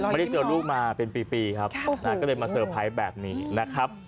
ไม่ได้เจอลูกมาเป็นปีครับก็เลยมาเตอร์ไพรส์แบบนี้นะครับ